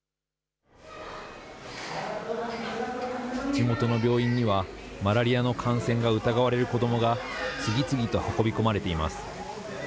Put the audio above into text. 地元の病院には、マラリアの感染が疑われる子どもが次々と運び込まれています。